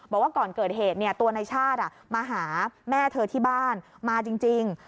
บอกว่าก่อนเกิดเหตุตัวในชาติมาหาแม่เธอที่บ้านมาจริง